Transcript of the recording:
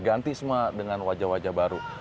ganti semua dengan wajah wajah baru